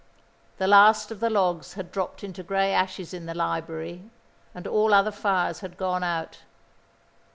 The last of the logs had dropped into grey ashes in the library, and all other fires had gone out.